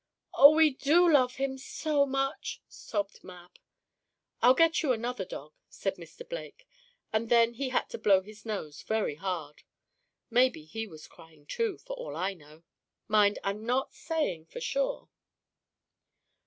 "Oh, we do love him so much!" sobbed Mab. "I'll get you another dog," said Mr. Blake, and then he had to blow his nose very hard. Maybe he was crying too, for all I know. Mind, I'm not saying for sure.